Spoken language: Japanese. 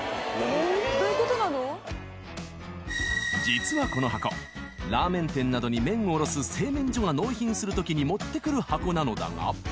［実はこの箱ラーメン店などに麺を卸す製麺所が納品するときに持ってくる箱なのだが］